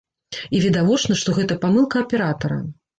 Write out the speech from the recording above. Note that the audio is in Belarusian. І відавочна, што гэта памылка аператара.